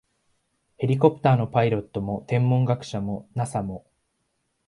ヘリコプターのパイロットも、天文学者も、ＮＡＳＡ も、